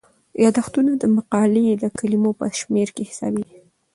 یادښتونه د مقالې د کلمو په شمیر کې حسابيږي.